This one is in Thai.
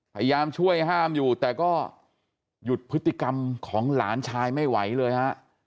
พยายามช่วยห้ามอยู่แต่ก็หยุดพฤติกรรมของหลานชายไม่ไหวเลยฮะ